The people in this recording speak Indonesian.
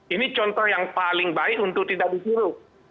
ini contoh yang paling baik untuk tidak disuruh